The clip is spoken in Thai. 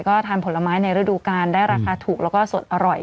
ก็ทานผลไม้ในฤดูกาลได้ราคาถูกแล้วก็สดอร่อย